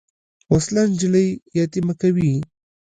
وسله نجلۍ یتیمه کوي